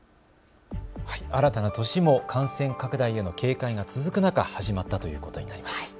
新たな年も感染拡大への警戒が続く中、始まったということになります。